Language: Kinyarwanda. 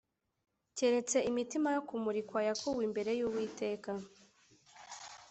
keretse imitsima yo kumurikwa yakuwe imbere y’Uwiteka